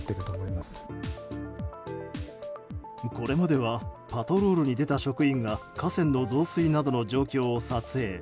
これまではパトロールに出た職員が河川の増水などの状況を撮影。